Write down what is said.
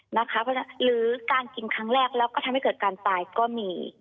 หรือการกินครั้งแรกแล้วก็ทำให้เกิดการตายก็มี